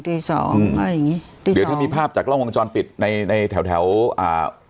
ตีสองอ่าอย่างงี้ตีเดี๋ยวถ้ามีภาพจากกล้องวงจรปิดในในแถวแถวอ่า